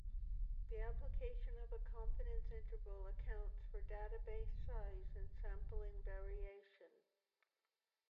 The application of a confidence interval accounts for database size and sampling variation.